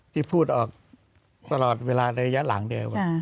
ที่พูดออกตลอดเวลาระยะหลังเดียว